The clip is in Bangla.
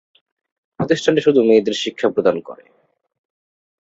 প্রতিষ্ঠানটি শুধু মেয়েদের শিক্ষা প্রদান করে।